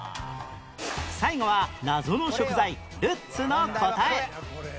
最後は謎の食材ルッツの答え